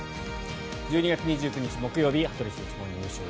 １２月２９日、木曜日「羽鳥慎一モーニングショー」。